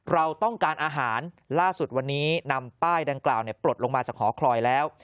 เราต้องการอาหารล่าสุดวันนี้นำป้ายดังกล่าวปลดลงมาจากหอคอยแล้ว